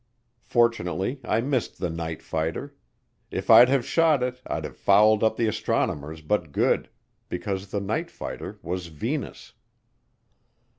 Fortunately I missed the "night fighter" if I'd have shot it I'd have fouled up the astronomers but good because the "night fighter" was Venus.